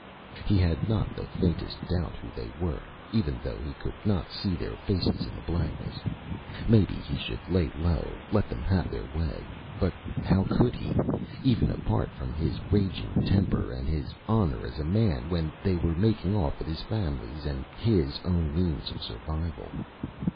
He had not the faintest doubt who they were even though he could not see their faces in the blackness. Maybe he should lay low let them have their way.... But how could he even apart from his raging temper, and his honor as a man when they were making off with his family's and his own means of survival?